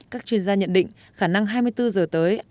các chuyên gia nhận định khả năng hai mươi bốn giờ tới